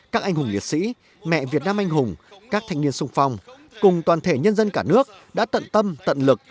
các anh hùng liệt sĩ mẹ việt nam anh hùng các thanh niên sung phong cùng toàn thể nhân dân cả nước đã tận tâm tận lực